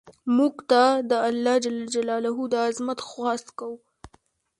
مړه ته د الله ج د عظمت خواست کوو